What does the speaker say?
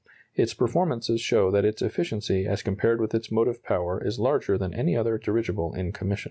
Its performances show that its efficiency as compared with its motive power is larger than any other dirigible in commission.